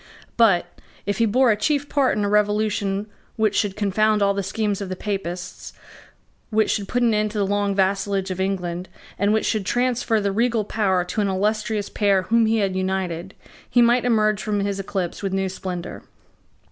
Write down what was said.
But, if he bore a chief part in a revolution which should confound all the schemes of the Papists, which should put an end to the long vassalage of England, and which should transfer the regal power to an illustrious pair whom he had united, he might emerge from his eclipse with new splendour.